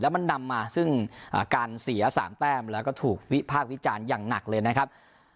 มันนำมาซึ่งการเสีย๓แต้มแล้วก็ถูกวิพากษ์วิจารณ์อย่างหนักเลยนะครับ